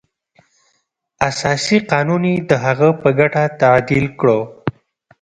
اساسي قانون یې د هغه په ګټه تعدیل کړ.